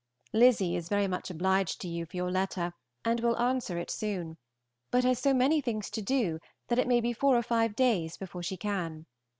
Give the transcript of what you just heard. Lizzy is very much obliged to you for your letter and will answer it soon, but has so many things to do that it may be four or five days before she can.